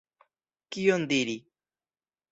Kion diri!